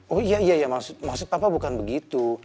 oh iya iya maksud papa bukan begitu